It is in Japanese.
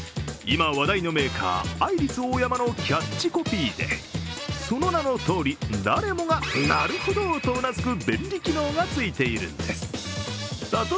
今話題のメーカー、アイリスオーヤマのキャッチコピーで、その名のとおり、誰もがなるほどとうなずく便利機能がついているんです・